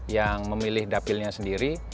yang memilih dapilnya sendiri